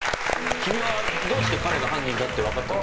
君はどうして彼が犯人だって分かったの？